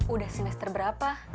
udah semester berapa